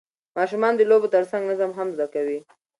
ماشومان د لوبو ترڅنګ نظم هم زده کوي